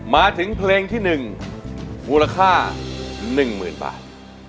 มาถึงเพลงที่๑มูลค่า๑๐๐๐บาท